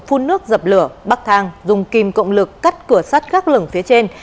phun nước dập lửa bắt thang dùng kim cộng lực cắt cửa sắt gác lửng phía trên